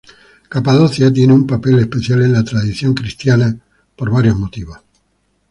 Capadocia tiene un papel especial en la tradición cristiana por varios motivos.